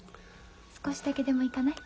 少しだけでも行かない？